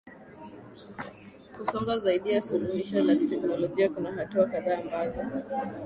kusonga zaidi ya suluhisho la kiteknolojia Kuna hatua kadhaa ambazo